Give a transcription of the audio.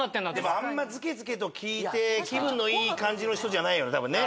でもあんまずけずけと聞いて気分のいい感じの人じゃないよね多分ね。